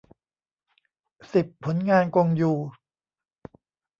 สิบ ผลงานกงยู